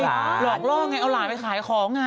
หลอกล่อไงเอาหลานไปขายของไง